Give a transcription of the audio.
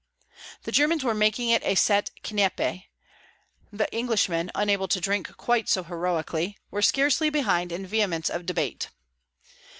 The Germans were making it a set Kneipe; the Englishmen, unable to drink quite so heroically, were scarce behind in vehemence of debate.